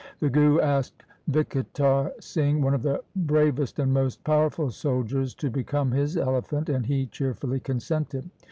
The Guru asked Vichitar Singh, one of his bravest and most powerful soldiers, to become his elephant, and he cheerfully consented.